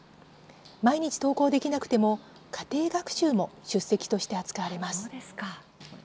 毎日、登校できなくても家庭学習も出席として扱われます。